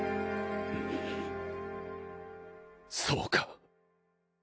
そうか。